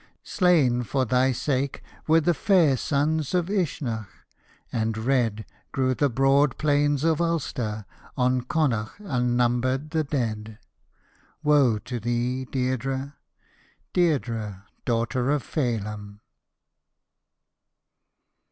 Slain for thy sake were the fair sons of Uisneach, and red Grew the broad plains of Ulster, on Connaught un numbered the dead — Woe to thee, Deirdre, Deirdre, daughter of Feihm